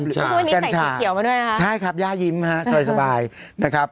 กัญชาเพราะวันนี้ใส่ชี้เขียวมาด้วยนะครับใช่ครับย่ายิ้มฮะสบายสบายนะครับ